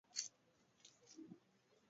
مخکېنی ټایر یې لوی و، وروستی ټایر وړه و.